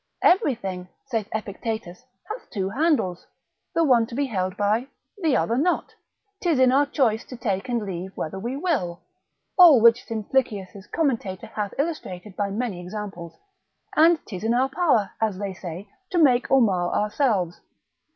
Everything, saith Epictetus, hath two handles, the one to be held by, the other not: 'tis in our choice to take and leave whether we will (all which Simplicius's Commentator hath illustrated by many examples), and 'tis in our power, as they say, to make or mar ourselves.